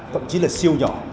thậm chí là siêu nhỏ